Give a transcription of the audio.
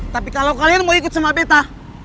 tapi kalau kalian mau ikut sama peta